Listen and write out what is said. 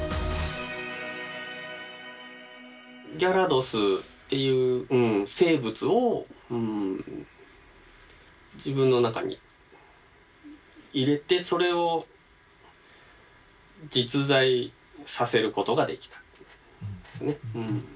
ギャラドスっていう生物を自分の中に入れてそれを実在させることができたんですね。